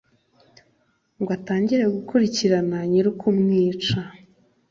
ngo atangire gukurikirana nyir’ukumwica,